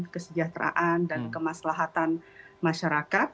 kesejahteraan dan kemaslahatan masyarakat